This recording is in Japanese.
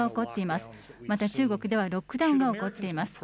また中国ではロックダウンが起こっています。